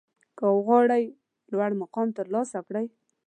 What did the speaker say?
که غواړئ لوړ مقام ترلاسه کړئ